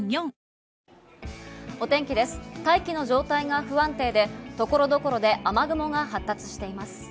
大気の状態が不安定で所々で雨雲が発達しています。